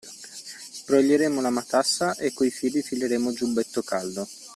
Sbroglieremo la matassa e coi fili fileremo giubbetto caldo.